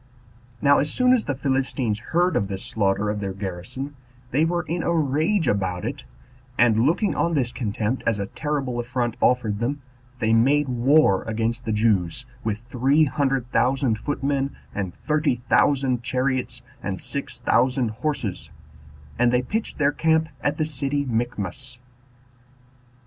Now as soon as the Philistines heard of this slaughter of their garrison, they were in a rage about it, and, looking on this contempt as a terrible affront offered them, they made war against the Jews, with three hundred thousand footmen, and thirty thousand chariots, and six thousand horses; and they pitched their camp at the city Michmash.